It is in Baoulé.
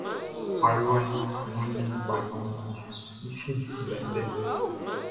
Aluaʼn wanndi balɔnʼn i sin ndɛndɛ.